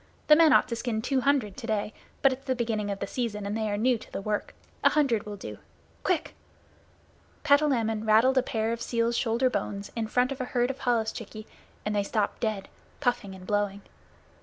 The men ought to skin two hundred to day, but it's the beginning of the season and they are new to the work. A hundred will do. Quick!" Patalamon rattled a pair of seal's shoulder bones in front of a herd of holluschickie and they stopped dead, puffing and blowing.